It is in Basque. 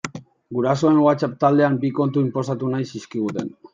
Gurasoen WhatsApp taldean bi kontu inposatu nahi zizkiguten.